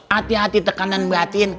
hati hati tekanan batin